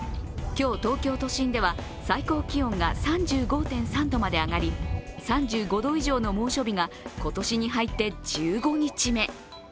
今日、東京都心では最高気温が３５．３度まで上がり３５度以上の猛暑日が今年に入って１５日目。